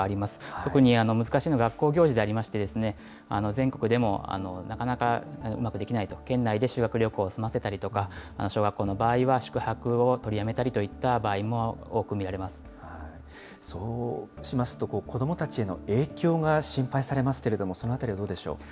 特に難しいのは学校行事でありまして、全国でもなかなかうまくできないと、県内で修学旅行を済ませたりとか、小学校の場合は宿泊を取りやめたりといった場合も多そうしますと、子どもたちへの影響が心配されますけれども、そのあたりはどうでしょう。